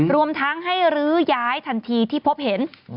รวมทั้งให้ลื้อย้ายทันทีที่พบเห็น